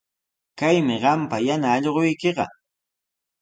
Kaymi qampa yana allquykiqa.